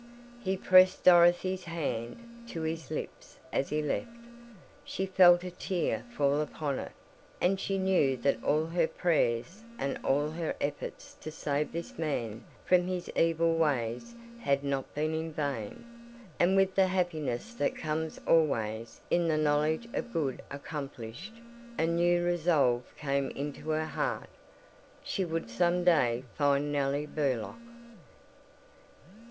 He pressed Dorothy's hand to his lips as he left. She felt a tear fall upon it; and she knew that all her prayers and all her efforts to save this man from his evil ways had not been in vain, and with the happiness that comes always in the knowledge of good accomplished, a new resolve came into her heart she would some day find Nellie Burlock.